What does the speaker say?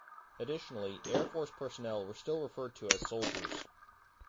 Additionally, Air Force personnel were still referred to as soldiers.